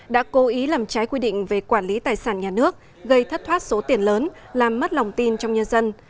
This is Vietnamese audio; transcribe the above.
đã cố ý làm trái quy định về quản lý tài sản nhà nước gây thất thoát số tiền lớn làm mất lòng tin trong nhân dân